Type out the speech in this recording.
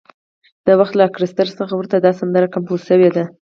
د وخت له ارکستر څخه ورته دا سندره کمپوز شوې ده.